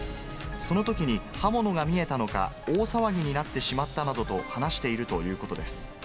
そのときに刃物が見えたのか、大騒ぎになってしまったなどと話しているということです。